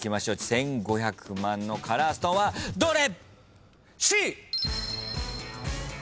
１，５００万のカラーストーンはどれ？